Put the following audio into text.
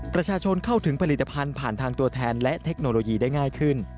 ประชาชนเข้าถึงผลิตภัณฑ์ผ่านทางตัวแทนและเทคโนโลยีได้ง่ายขึ้น